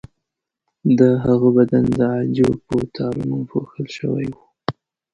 د هغه بدن د عاجو په تارونو پوښل شوی و.